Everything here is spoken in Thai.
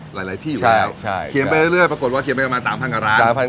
หลายที่อยู่แล้วเขียนไปเรื่อยปรากฏว่าเขียนไปประมาณ๓๐๐กว่าร้าน